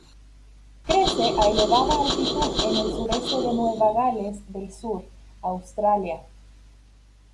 Crece a elevada altitud en el sureste de Nueva Gales del Sur, Australia.